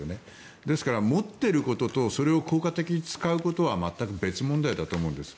ですから持っていることとそれを効果的に使うことは全く別問題だと思うんです。